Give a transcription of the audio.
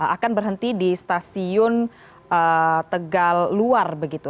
akan berhenti di stasiun tegal luar begitu